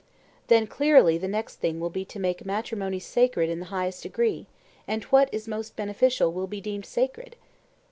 Then clearly the next thing will be to make matrimony sacred in the highest degree, and what is most beneficial will be deemed sacred?